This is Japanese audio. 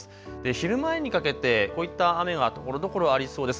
昼前にかけてこういった雨がところどころありそうです。